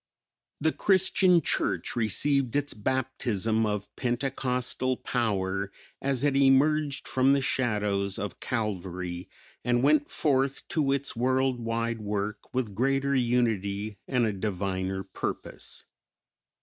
The Christian Church received its baptism of pentecostal power as it emerged from the shadows of Calvary, and went forth to its world wide work with greater unity and a diviner purpose.